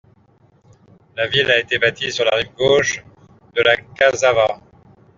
La ville a été bâtie sur la rive gauche de la Kažava.